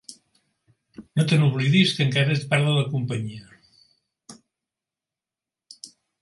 No te n"oblidis que encara ets part de la companyia.